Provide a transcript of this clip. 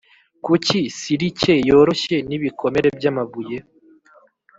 kuki silike yoroshye nibikomere byamabuye